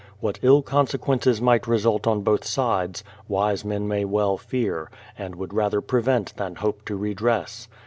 What ill consequences might result on both sides, wise men may v. ell fear, and would rather prevent than hope to redress.